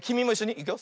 いくよ。